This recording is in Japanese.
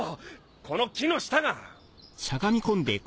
この木の下が！